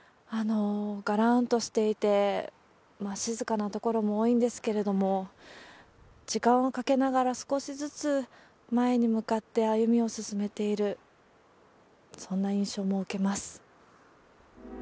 がらーんとしていて、静かな所も多いんですけれども、時間をかけながら少しずつ前に向かって歩みを進めている、そんな印象も受けます。